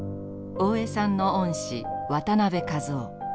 大江さんの恩師渡辺一夫。